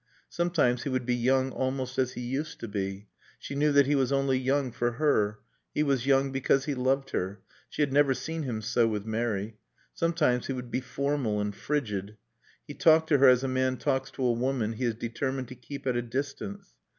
Sometimes he would be young almost as he used to be. She knew that he was only young for her. He was young because he loved her. She had never seen him so with Mary. Sometimes he would be formal and frigid. He talked to her as a man talks to a woman he is determined to keep at a distance.